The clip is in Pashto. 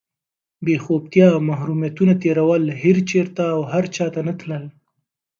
بېخوبتیا، محرومیتونه تېرول، هېر چېرته او هر چاته نه تلل،